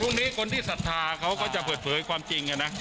ตอนนี้คนที่สัดภาพเขาก็จะเปิดเผยความจริง